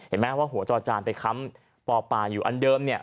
เห็นไหมว่าหัวจอจารย์ไปค้ำปปอยู่อันเดิม